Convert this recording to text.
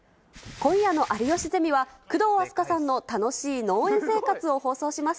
今夜の有吉ゼミは、工藤阿須加さんの楽しい農園生活を放送します。